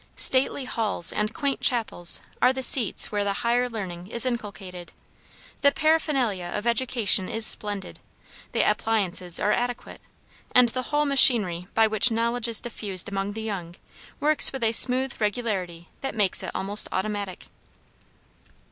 Stately halls and quaint chapels are the seats where the higher learning is inculcated; the paraphernalia of education is splendid, the appliances are adequate, and the whole machinery by which knowledge is diffused among the young, works with a smooth regularity that makes it almost automatic.